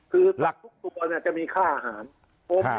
คือทุกตัวเนี่ยจะมีค่าอาหาร